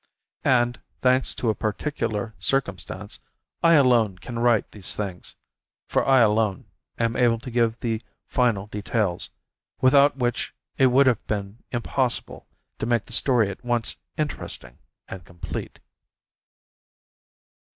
And, thanks to a particular circumstance, I alone can write these things, for I alone am able to give the final details, without which it would have been impossible to make the story at once interesting and complete.